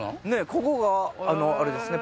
ここがあれですね